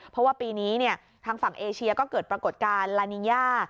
เพราะว่าปีนี้ทางฝั่งเอเชียก็เกิดปรากฏการณ์ลานิงย่า